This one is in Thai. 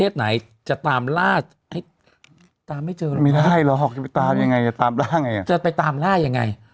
จะตามล่ายังไง